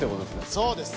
そうです。